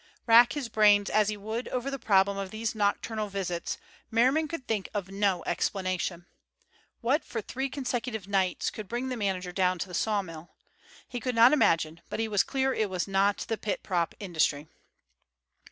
Rack his brains as he would over the problem of these nocturnal visits, Merriman could think of no explanation. What for three consecutive nights could bring the manager down to the sawmill? He could not imagine, but he was clear it was not the pit prop industry.